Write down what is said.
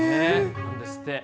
なんですって。